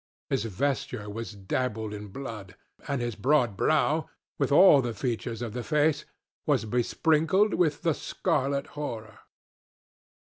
His vesture was dabbled in blood—and his broad brow, with all the features of the face, was besprinkled with the scarlet horror.